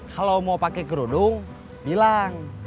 kalau mau pakai kerudung bilang